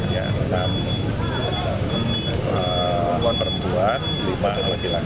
yang enam enam perempuan lima apabila